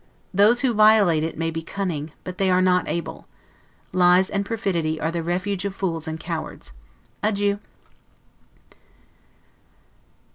Those who violate it may be cunning, but they are not able. Lies and perfidy are the refuge of fools and cowards. Adieu!